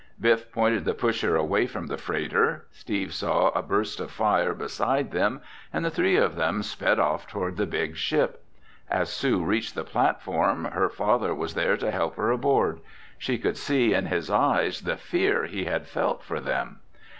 Biff pointed the pusher away from the freighter. Steve saw a burst of fire beside them and the three of them sped off toward the big ship. As Sue reached the platform, her father was there to help her aboard. She could see in his eyes the fear he had felt for them.